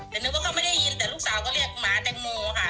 แต่นึกว่าเขาไม่ได้ยินแต่ลูกสาวก็เรียกหมาแตงโมค่ะ